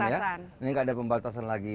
ini nggak ada pembatasan lagi